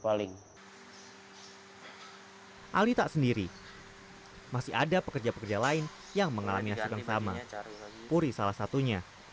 ali tak sendiri masih ada pekerja pekerja lain yang mengalami nasib yang sama puri salah satunya